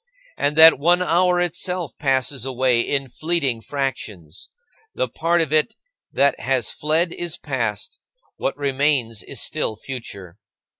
And that one hour itself passes away in fleeting fractions. The part of it that has fled is past; what remains is still future.